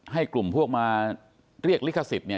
ให้กลุ่มพวกมาเรียกลิขสิทธิ์เนี่ย